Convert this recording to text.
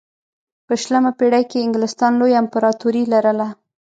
په شلمه پېړۍ کې انګلستان لویه امپراتوري لرله.